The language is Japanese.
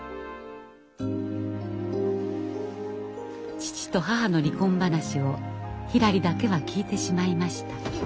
父と母の離婚話をひらりだけは聞いてしまいました。